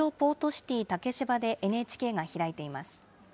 シティ竹芝でＮＨＫが開いています。